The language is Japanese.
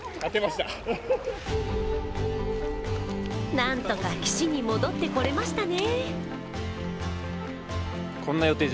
なんとか岸に戻ってこれましたね。